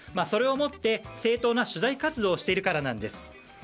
それを持って、正当な取材活動をしているからなんです。